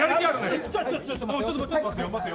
ちょっと待ってよ。